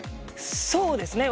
そうですね。